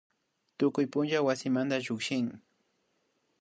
Tukuy punlla wasimanda llukshin